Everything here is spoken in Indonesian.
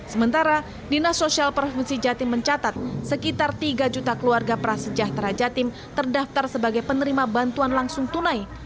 sementara dinas sosial provinsi jatim mencatat sekitar tiga juta keluarga prasejahtera jatim terdaftar sebagai penerima bantuan langsung tunai